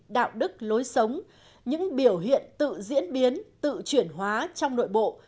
đạo đức lối sống những biểu hiện tự diễn biến tự chuyển hóa trong nội bộ